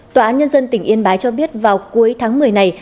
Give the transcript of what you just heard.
tòa án nhân dân tỉnh yên bái cho biết vào cuối tháng một mươi này